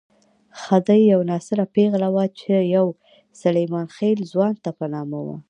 خدۍ یوه ناصره پېغله وه چې يو سلیمان خېل ځوان ته په نامه وه.